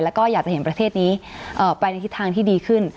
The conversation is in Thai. แล้วก็อยากจะเห็นประเทศนี้ไปในทิศทางที่ดีขึ้น